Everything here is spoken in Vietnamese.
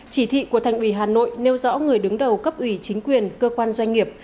chỉ thị của thành ủy hà nội nêu rõ người đứng đầu cấp ủy chính quyền cơ quan doanh nghiệp